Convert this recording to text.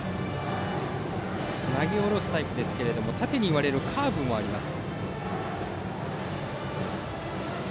投げ下ろすタイプですが縦に割れるカーブもあります。